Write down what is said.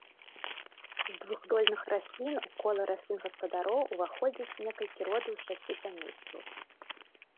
З двухдольных раслін у кола раслін-гаспадароў уваходзіць некалькі родаў з шасці сямействаў.